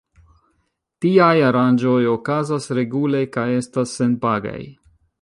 Tiaj aranĝoj okazas regule kaj estas senpagaj.